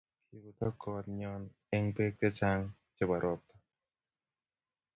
Kibutik kot nyon eng bek chechang ab ropta.